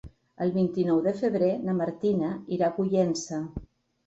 El vint-i-nou de febrer na Martina irà a Pollença.